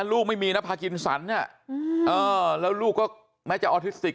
ลูกไม่มีนะภาคยนต์สรรค์เนี่ยอืมเออแล้วลูกก็แม้จะออทิสติก